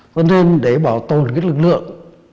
cho nên để bảo tồn cái lực lượng